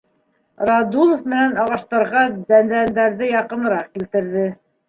Радулов менән ағастарға дәдәндәрҙе яҡыныраҡ килтерҙе.